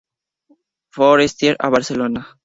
Forestier a Barcelona.